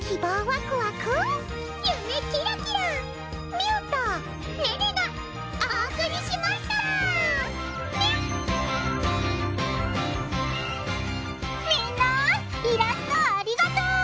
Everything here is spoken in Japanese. みんなイラストありがとう。